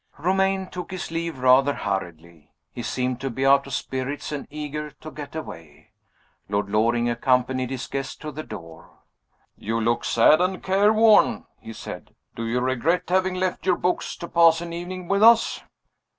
Romayne took his leave rather hurriedly. He seemed to be out of spirits and eager to get away. Lord Loring accompanied his guest to the door. "You look sad and careworn," he said. "Do you regret having left your books to pass an evening with us?"